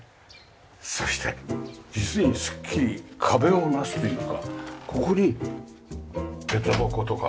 そして実にスッキリ壁をなすというかここにげた箱とか。